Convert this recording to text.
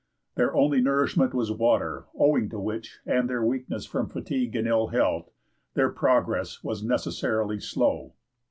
Their only nourishment was water, owing to which, and their weakness from fatigue and ill health, their progress was necessarily slow.